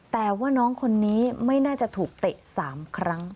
แต่ว่าน้องคนนี้ไม่น่าจะถูกเตะ๓ครั้ง